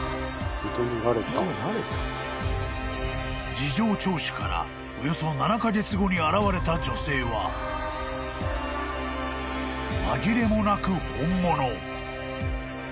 ［事情聴取からおよそ７カ月後に現れた女性は紛れもなく本物］